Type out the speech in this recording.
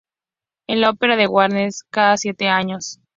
En la ópera de Wagner, cada siete años.